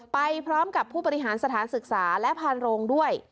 ไปพร้อมกับผู้บริหารสถานศึกษาและพานโรงด้วย